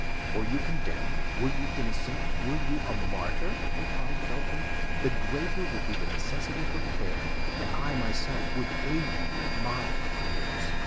"Were you condemned, were you innocent, were you a martyr," replied Felton, "the greater would be the necessity for prayer; and I myself would aid you with my prayers."